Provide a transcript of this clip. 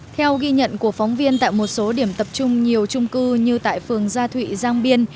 theo ghi nhận của phóng viên tại một số điểm tập trung nhiều trung cư như tại phường gia thụy giang biên